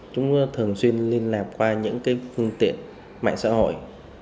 chúng thường xuyên liên lạc qua những phương tiện mạng xã hội